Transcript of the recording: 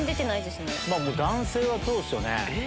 男性はそうっすよね。